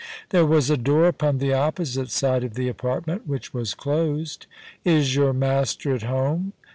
There was a door upon the opposite side of the apartment, which was closed. * Is your master at home